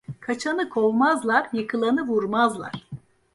Kaçanı kovmazlar, yıkılanı vurmazlar.